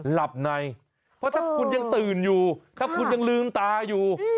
หลับในเพราะถ้าคุณยังตื่นอยู่ถ้าคุณยังลืมตาอยู่